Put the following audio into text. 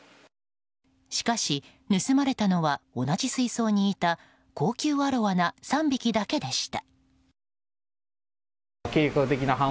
しかし、盗まれたのは同じ水槽にいた高級アロワナ３匹だけでした。